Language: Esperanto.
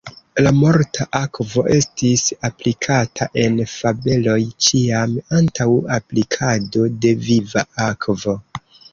La morta akvo estis aplikata en fabeloj ĉiam antaŭ aplikado de viva akvo.